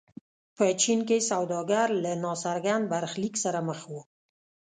په چین کې سوداګر له ناڅرګند برخلیک سره مخ وو.